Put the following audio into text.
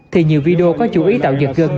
thì mình có thể quay đối diện